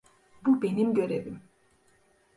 Bu benim görevim.